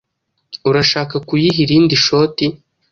Urashaka kuyiha irindi shoti?